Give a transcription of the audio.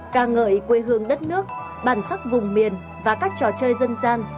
ca ngợi quê hương đất nước bản sắc vùng miền và các trò chơi dân gian